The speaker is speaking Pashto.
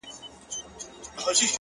پرمختګ د ثابتې ارادې محصول دی